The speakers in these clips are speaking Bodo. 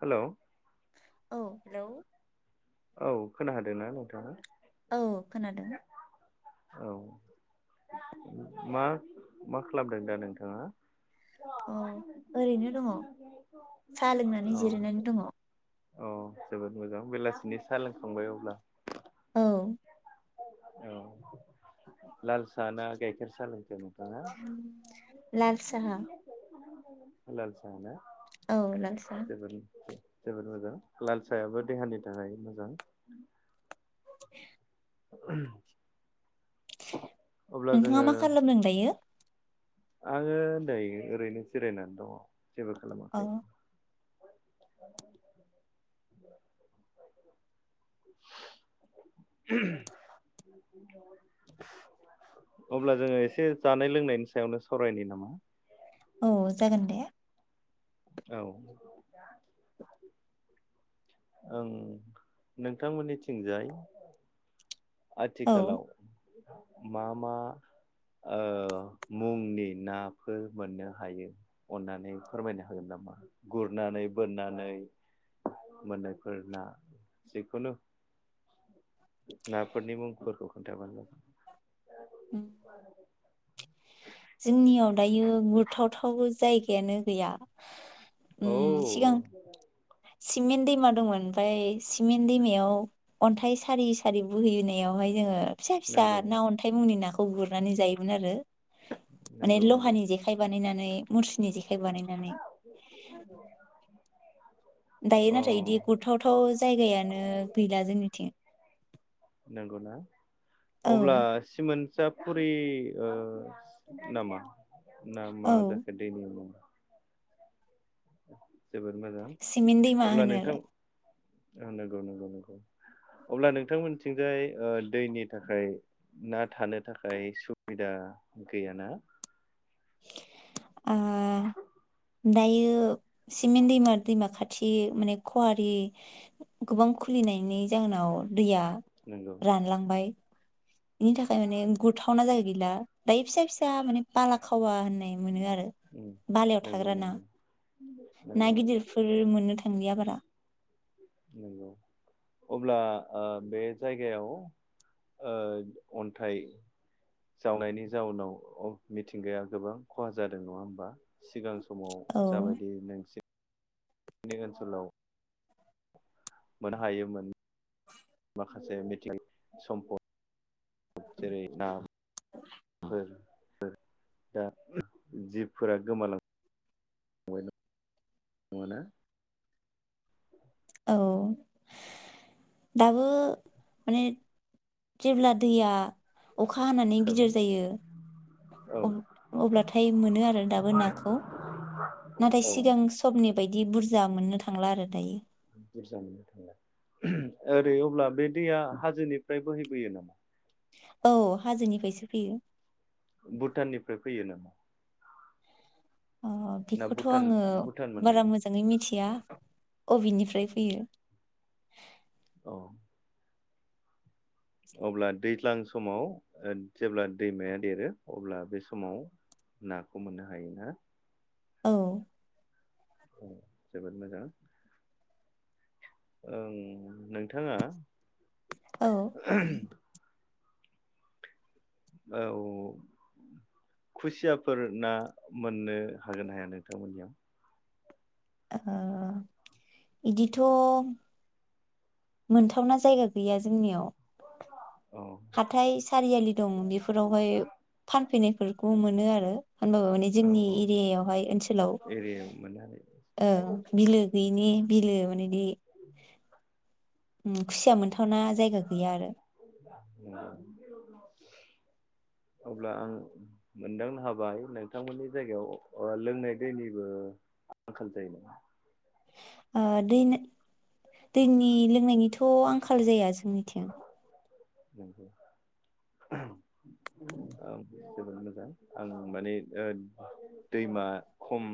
हेलौ। ओउ हेलौ। ओउ खोनाहोदोना नोंथाङा। ओउ। खोनादों। ओउ मा मा खालामदों दा नोंथाङा। ओउ ओरैनो दङ साहा लोंनानै जिरायनानै दङ। अ जोबोद मोजां बेलासिनि साहा लोंखांबाय अब्ला ओउ। ओउ लाल साहा ना गायखेर सा लोंखो नो लाल साहा। लाल साहा ना? ओउ लालसा। जोबोद जोबोद मोजां लाल साहायाबो देहानि थाखाय मोजां। [unintelligible] [unintelligible] अब्ला नोंथाङा जोङो मा खालामदों दायो? आङो नै ओरैनो जिरायनानै दङ। जेबो अ खालामाखै। अब्ला जोङो एसे जानाय लोंनायनि सायावनो सावरायनि नामा? औ जागोन दे। औ। ओं नोंथांमोननिथिंजाय औ आथिखालाव मा मा ओ मुंनि नाफोर मोननो हायो अन्नानै फोरमायनो हागोन नामा गुरनानै बोननानै मोननायफोर ना जिखुनु नाफोरनि मुंफोरखौ खुनथाइ बानलु उ जोंनियाव दायो गुरथावथाव जायगायानो गैया। उम सिगां औ सिमेन्ट दैमा दंमोन ओमफ्राय सिमेन्ट दैमायाव अन्थाइ सारि सारि बोहैनायावहाय जोङो फिसा फिसा नंगौ ना अन्थाइ मुंनि नाखौ गुरनानै जायोमोन आरो माने नंगौ नंगौ लहानि जेखाइ बानायनानै मुरसुनि जेखाइ बानायनानै। दायो अ नाथाय इदि गुरथावथाव जायगायानो गैला जोंनिथिं। नोंगौना औ अब्ला सिमोन सापुरि ओ नामा? ना मा औ जाखो दैनि मुङा? जोबोर मोजां सिमेन्ट दैमा अब्ला होनो नोंथां आरो औ नंगौ नंगौ नंगौ अब्ला नोंथांमोनथिंजाय ओ दैनि थाखाय ना थानो थाखाय सुबिदा गैयाना? [inaudible] ओ दायो सिमेन‌ दैमा दैमा खाथ थि माने खवारि गोबां खुलिनायनि जाहोनाव दैया नंगौ रानलांबाय। बेनि थाखाय माने गुरथावना जाय गैला दायो फिसा फिसा माने बाला खावा होन नाय मोनो आरो उम बालायाव नंगौ थाग्रा ना नंगौ ना नंगौ गिदिरफोर मोननो थांलिया बारा नंगौ अब्ला ओ बे जायगायाव ओ अन्थाइ जावनायनि जाउनाव ओ मिथिंगाया गोबां खहा जादों नङा होमबा सिगां समाव औ जाबायदि नोंसि नि ओनसोलाव मोनो हायोमोन [inaudible] खासे मिथिं [unintelligible] सम्पद जेरै [unintelligible] दा जिबफोरा गोमालां [unintelligible] नङाना औ दाबो माने जेब्ला दैया अखा हानानै गिदिर जायो औ अब-अब्लाथाय मोनो आरो दाबो नाखौ नाथाय औ औ सिगां समनि बायदि बुरजा मोननो थांला आरो दायो। बुरजा मोननो थांला ओरै अब्ला बे दैया हाजोनिफाय बोहैबोयो नामा? औ हाजोनिफायसो फैयो। भुटाननिफाय फैयो नामा? ओ ना बेखौथ भुटान आङो भुटान बारा मोननैया मोजाङै मिथिया अबेनिफ्राय फैयो? औ अब्ला दैज्लां समाव ओ जेब्ला दैमाया देरो अब्ला बे समाव नाखौ मोननो हायोना? औ जोबोद मोजां ओं नोंथाङा औ औ खुसियाफोर ना मोननो हागोन हाया नोंथांमोननियाव? ओ बिदिथ मोनथावना जायगा गैया जोंनियाव औ हाथाय सारियालि दं बेफोरावहाय फानफैनाय फोरखौ मोनो आरो होनबाबो माने औ जोंनि औ एरियावहाय ओनसोलाव एरियायाव मोननो हानाय ओ बिलो गैयिनि बिलो माने खुसिया मोनथा थावना जायगा गैया आरो अब्ला आं मोनदांनो हाबाय नोंथांमोननि जायगायाव लोंनाय दैनिबो आंखाल जायो नामा? दै दैनि लोंनायनिथ आंखाल जाया जोंनिथिं आं जोबोद मोजां आं माने दैमा खम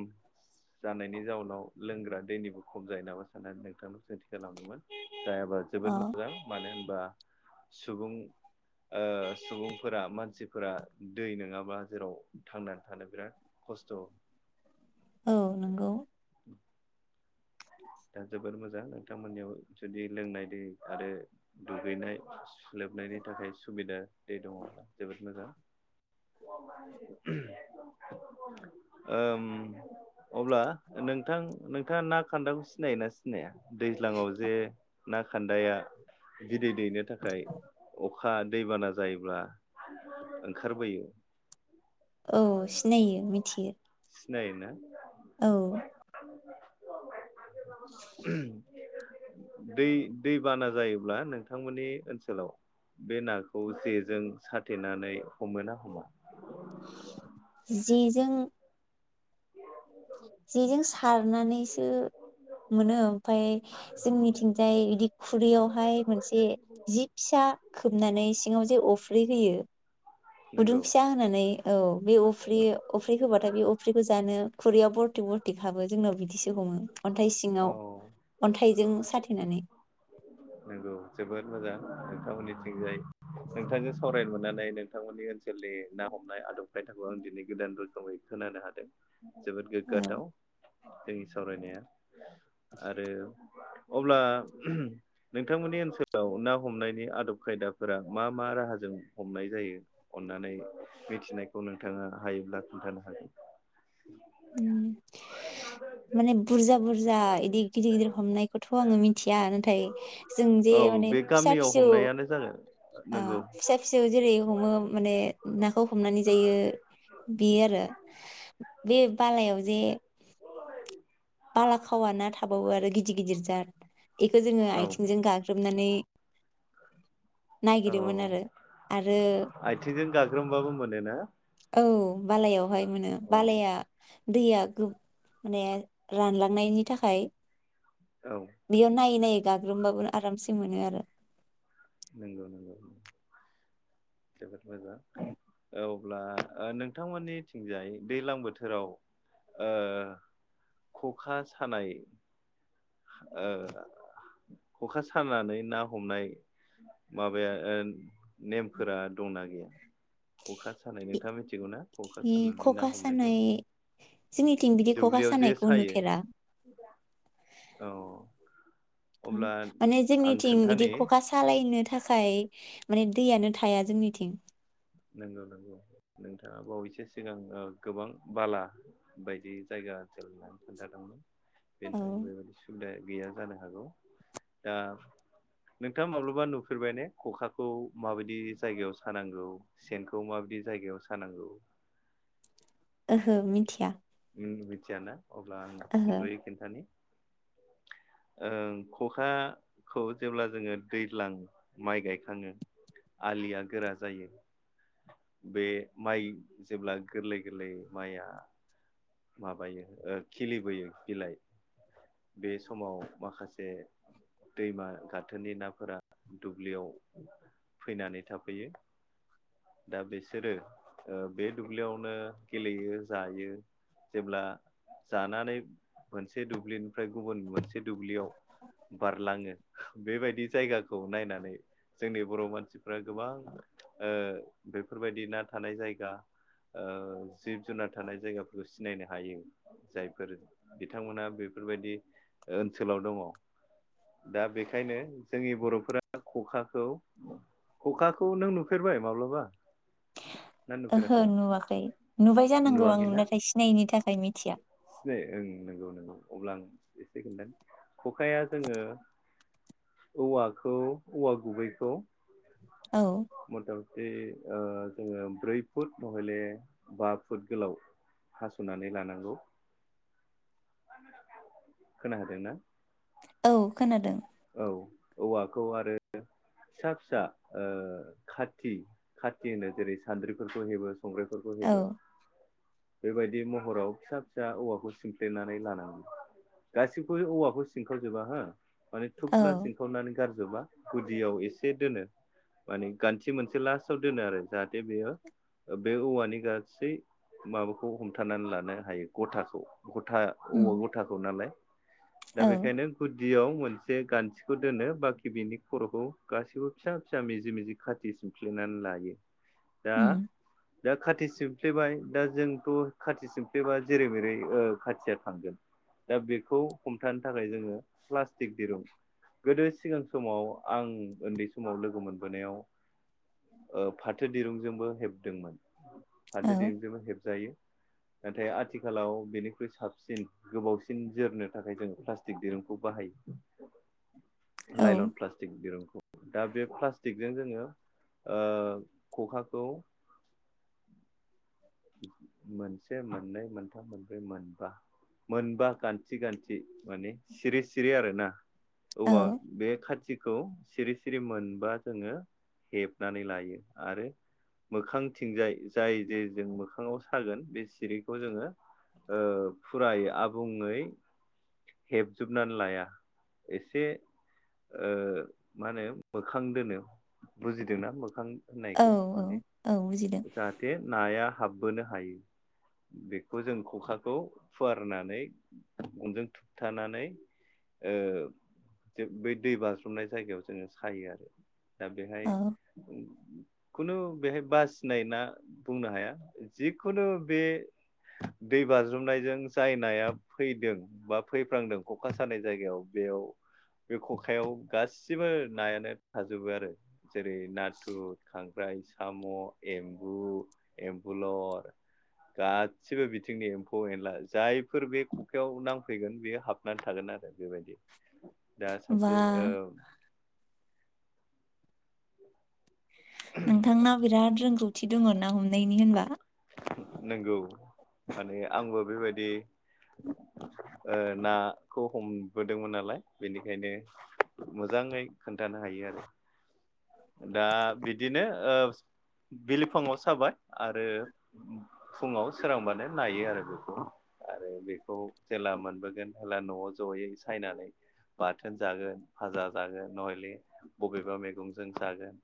जानायनि जाउनाव लोंग्रा दैनिबो खम जायो नामा साननानै नोंथांनाव सोंथि खालामदोंमोन। जायाबा अ जोबोद मोजां मानो होनबा सुबुं-सुबुंफोरा मानसिफोरा दै नङाबा जेराव थांनानै थानो बिराद खस्थ औ नंगौ दा जोबोद मोजां नोंथांमोननियाव जुदि लोंनाय दै आरो दुगैनाय खोलोबनायनि थाखाय सुबिदा दै दङब्ला जोबोद मोजां ओम अब्ला नोंथां नोंथाङा ना खान्दाखौ सिनायोना सिनाया? दैज्लाङाव जे ना खान्दाया बिदै दैनो थाखाय अखा दैबाना जायोब्ला ओंखारबोयो। औ सिनायो मिथियो सिनायोना? औ [inaudible] [inaudible] दै दैबाना जायोब्ला नोंथांमोननि ओनसोलाव बे नाखौ जेजों साथेनानै हमो ना हमा? जेजों जेजों सारनानैसो मोनो ओमफ्राय जोंनिथिंजाय बिदि खुरैयावहाय मोनसे जे फिसा खोबनानै सिङाव जे अफ्रि होयो गुदुं नंगौ फिसा होनानै औ बे अफ्रि-अफ्रि होबाथाय बे अफ्रिखौ जानो खुरैयाव बर [unintelligible] जोंनाव बिदिसो हमो अन्थाइ सिङाव अन्थाइजों औ साथेनानै नंगौ जोबोद मोजां नोंथांमोननिथिंजाय नोंथांजों सावरायनो मोननानै नोंथांमोननि ओनसोलनि ना हमनाय आदब खायदाखौ आं दिनै गोदान रोखोमै खोनानो हादों जोबोद औ गोग्गाथाव जोंनि सावरायनाया आरो अब्ला नोंथांमोननि ओनसोलाव ना‌ हमनायनि आदब खायदाफोरा मा मा राहाजों हमनाय जायो अननानै मिथिनाय खौ नोंथाङा हायोब्ला खोन्थानो हागोन। उम माने बुरजा बुरजा इदि गिदिर गिदिर हमनायखौथ' आङो मिथिया नाथाय जों औ जे माने बे फिसा गामियाव फिसौ हमनायानो जागोन आ नंगौ फिसा फिसौ जेरै हमो माने नाखौ हमनानै जायो बियो आरो बे बालायाव जे बाला खावाना थाबावो आरो गिदिर गिदिर जाथ। बेखौ जोङो औ आथिंजों गाग्रोबनानै औ नागिरोमोन आरो आरो आथिंजों गाग्रोमबाबो मोनोना औ बालायाव बहाय मोनो औ बालाया दैया गोब माने रानलांनायनि थाखाय औ बियाव नायै नायै गाग्रुमबाबो आरामसे मोनो आरो नंगौ नंगौ। मोजां औ अब्ला नोंथांमोननिथिंजाय दैज्लां बोथोराव ओ खखा सानाय ओ हखा सानानै ना हमनाय माबाया ओ नेमफोरा दंना गैया खखा सानाय नोंथाङा मिथिगौना खखा बिदि सानानै ना खखा हमनायखौ सानाय जोंनिथिं बिदि खखा दुब्लियाव जे सानायखौ सायो। नुफेरा औ अब्ला माने आं जोंनिथिं बिदि खोन्थानि खखा सालायनो थाखाय माने दैयानो थाया जोंनिथिं नंगौ नंगौ नोंथाङा बावैसो सिगां गोबां बाला बायदि जायगासो लानानै खोन्थादोंमोन। बेनि औ थाखाय बेबायदि सुदाय गैया जानो हागौ दा नोंथाङा माब्लाबा नुफेरबाय ने खखाखौ माबायदि जायगायाव सानांगौ। सेनखौ माबायदि जायगायाव सानांगौ, ओहो मिथिया नोङो मोनथियाना अब्ला आं ओहो सोंद'यै खिन्थानो ओं खखाखौ जेब्ला जोङो दैज्लां माइ गायखाङो आलिया गोरा जायो बे माइ जेब्ला गोरलै गोरलै माइया माबायो खिलिबोयो बिलाइ बे समाव माखासे दैमा गाथोननि नाफोरा दुब्लियाव फैनानै थाफैयो। दा बिसोरो ओ बे दुब्लियावनो गेलेयो जायो जेब्ला जानानै मोनसे दुब्लिनि फ्राय गुबुन मोनसे दुब्लियाव बारलाङो बेबायदि जायगा खौ नायनानै जोंनि बर' मानसिफ्रा गोबां ओ बेफोरबायदि ना थानाय जायगा ओ जिब जुनार थानाय जायगाफोरखौ सिनायनो हायो जायफोर बिथांमोनहा बेफोरबायदि ओनसोलाव दङ दा बेखायनो जोंनि बर'फोरा खखाखौ खखाखौ नों नुफेरबाय माब्लाबा? ना ओहो नुफेराखै? नुवाखै नुबाय जानांगौ आं नुवाखैना नाथाय सिनायिनि थाखाय मिथिया। नोंगौ नोंगौ अब्ला आं एसे खोनथानो खखाया जोङो औवाखौ औवा गुबैखौ औ बे ओ जोङो ब्रै फुट नहले बा फुट गोलाव हास'नानै लानांगौ। खोना हादोंना? औ खोनादों। औ औवाखौ आरो फिसा फिसा ओ खाथि खाथि होनो जेरै सान्द्रिफोरखौ हेबो। संग्रायफोरखौ औ हेबो। बेबायदि महराव फिसा फिसा औवाखौ सिमफ्लेनानै लानांगौ गासिबो औवाखौ सिंखावजोबा हो औ थुब्ला सिंखावनानै गारज जोबा गुदियाव एसे दोनो माने गान्थि मोनसे लासाव दोनो आरो जाहाथ जे बेयो बे औवानि नि गासै माबाखौ हमथानानै लानो हायो गथाखौ। गथा उम औवा गथाखौ नालाय दा औ बेखायनो गुदि बियाव मोन जे गान्थिखौ दोनो बाखि बिनि खर'खौ गासैबो फिसा फिसा मेजि मेजि खाथि सिमफ्लेनानै लायो। दा उम दा खाथि सिमफ्लेबाय दा जोंथ' खाथि सिमफ्लेबा जेरै मेरै ओ खाथिया थांगोन दा बेखौ हमथानो थाखाय जोङो प्लास्टिक दिरुं गोदो सिगां समाव आं ओन्दै समाव लोगो मोनबोनायाव ओ फाथो दिरुंजोंबो हेब दोंमोन औ फाथो दिरुजोंबो हेबजायो। नाथाय आथिखालाव बेनो ख्रुय साबसिन गोबावसिन जोरनो थाखाय जोङो प्लास्टिक दिरुंखौ बाहायो। औ लायलन प्लासटिक दिरुंखौ। दा बे प्लास्टिकजों जोङो ओ खखाखौ मोनसे मोन्नै मोन्थाम मोन्ब्रै मोनबा मोनबा गान्थि गान्थि माने सिरि सिरि आरोना। औ औवा बे खाथि खौ सिरि सिरि मोनबा जोङो हेबनानै लायो आरो मोखांथिंजाय जाय जे जों मो खाङाव सागोन बे सिरिखौ जोङो ओ फुरायै आबुङै हेबजोबनान लाया एसे ओ मा होनो मोखां दोनो बुजिदोंना मोखां औ होननायखौ औ माने औ बुजिदों जाहाथे नाया हाबबोनो हायो बेखौ जों खखाखौ फुवारनानै गनजों थुबथानानै ओ जोब बै दै बाज्रुमनाय जायगायाव जोङो सायो आरो। दा बेहाय औ खुनु बेहाय बासिनाय ना बुंनो हाया। जिखुनु बे दै बाज्रुमनायजों जाय नाया फैदों बा फैफ्लांदों खखा सानाय जायगायाव बेयाव बे खखायाव गासिबो नायानो थाजोबो आरो। जेरै नाथुर खां फ्राय साम एम्बु एम बुलर गादसिबो बिथिंनि एम्फौ एनला जायफोर बे खखायाव नांफैगोन बेयो हाबनानै थागोन आरो। बेबायदि दा बा सासे औ। [inaudible] नोंथांनाव बिराद रोंगौथि दङ ना हम नायनि होनबा। नोंगौ माने आंबो बेबायदि - [inaudible] ओ ना खौ हमबोदोंमोन नालाय बेनिखायनो मोजाङै खोन्थानो हायो आरो। दा बिदिनो ओ बिलिफाङाव साबाय आरो फुङाव सोरांबानो नायो आरो बेखौ आरो बेखौ जेला मोनबोगोन इला नआव जयै सायनानै बाथोन जागोन भाजा जागोन नहले बबेबा मेगं जों जागोन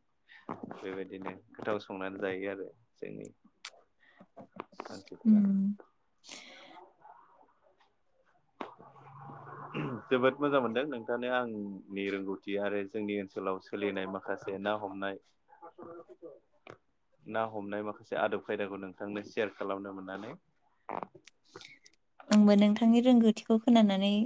बेबायदिनो गोथाव संनानै जायो आरो जोंनि- उम मानसिफोरा जोबोद मोजां मोनदों नोंथांनो आं नि रोंगौथि आरो जोंनि ओनसोलाव सोलिनाय माखासे ना हमनाय ना हमनाय माखासे आदब खायदाखौ नोंथांनो सेयार खालामनो मोननानै। आंबो नोंथांनि रोंगोथिखौ खोनानानै -